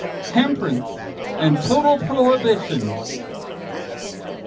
"Temperance and total prohibition!"